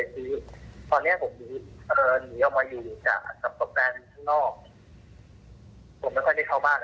ทีตอนนี้ผมมีภาระหนีออกมาอยู่จากสรรคบแบบนี้ข้างนอก